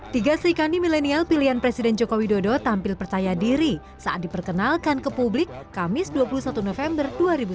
tiga serikani milenial pilihan presiden joko widodo tampil percaya diri saat diperkenalkan ke publik kamis dua puluh satu november dua ribu sembilan belas